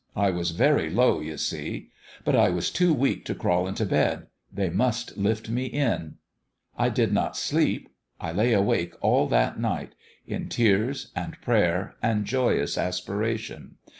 ... I was very low, you see. ... But I was too weak to crawl into bed ; they must lift me in. I did not sleep. I lay awake all that night in tears and prayer and joyous aspiration.